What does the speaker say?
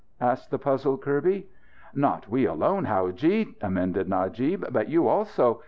asked the puzzled Kirby. "Not we alone, howadji," amended Najib, "but you also!